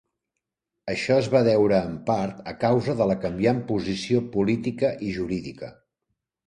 Això es va deure en part a causa de la canviant posició política i jurídica.